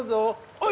はい！